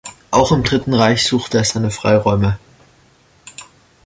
Auch im Dritten Reich suchte er seine Freiräume.